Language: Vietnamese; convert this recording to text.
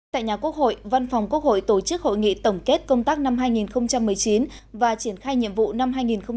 tại nhà quốc hội văn phòng quốc hội tổ chức hội nghị tổng kết công tác năm hai nghìn một mươi chín và triển khai nhiệm vụ năm hai nghìn hai mươi